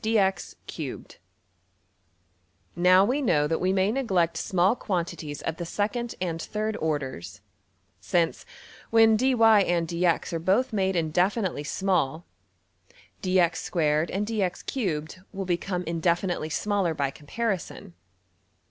\] Now we know that we may neglect small quantities of the second and third orders; since, when $dy$~and~$dx$ are both made indefinitely small, $(dx)^2$~and~$(dx)^3$ will become indefinitely smaller by comparison.